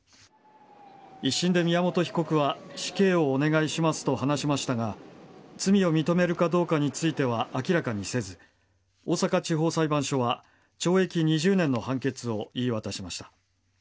一審で宮本被告は死刑をお願いしますと話しましたが罪を認めるかどうかについては明らかにせず大阪地方裁判所は懲役２０年の判決を言い渡しました。